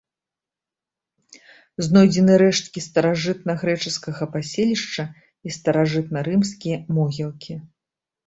Знойдзены рэшткі старажытнагрэчаскага паселішча і старажытнарымскія могілкі.